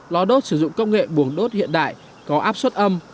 lò đốt sử dụng công nghệ buồng đốt hiện đại có áp suất âm